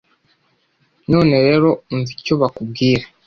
none rero, umva icyo bakubwira